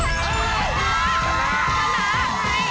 เสาคำยันอาวุธิ